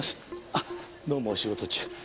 あっどうもお仕事中。